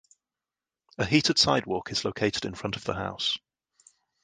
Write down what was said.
A heated sidewalk is located in front of the house.